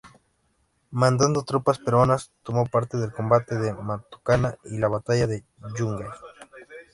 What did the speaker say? Mandando tropas peruanas tomo parte del combate de Matucana y la batalla de Yungay.